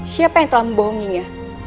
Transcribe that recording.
siapa yang telah membohonginya